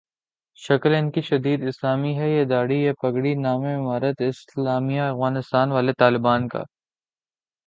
شکل انکی شدید اسلامی ہے ، یہ دھاڑی ، یہ پگڑی ، نام امارت اسلامیہ افغانستان والے طالبان کا ۔